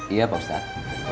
iya pak ustadz